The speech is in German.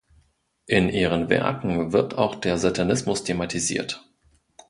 In ihren Werken wird auch der Satanismus thematisiert.